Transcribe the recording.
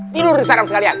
tidur di sarang sekalian